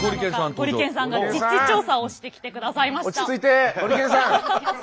ゴリけんさんが実地調査をしてきてくださいました。